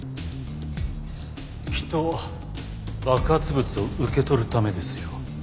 きっと爆発物を受け取るためですよ。